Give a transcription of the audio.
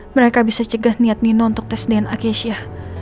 mereka bisa cegah niat nino untuk tes dna keisyah